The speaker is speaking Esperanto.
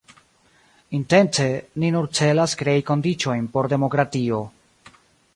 Intence ni nur celas krei kondiĉojn por demokratio.